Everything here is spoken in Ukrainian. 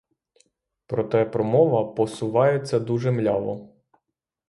Проте, промова посувається дуже мляво.